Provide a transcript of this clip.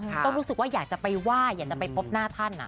ก็รู้สึกว่าอยากจะไปไหว้อยากจะไปพบหน้าท่าน